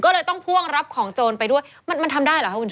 ก็เลยต้องพ่วงรับของโจรไปด้วยมันมันทำได้เหรอคะคุณ